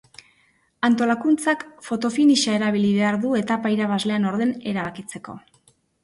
Antolakuntzak foto-finisha erabili behar izan du etapa irabazlea nor den erabakitzeko.